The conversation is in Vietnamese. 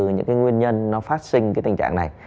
những cái nguyên nhân nó phát sinh cái tình trạng này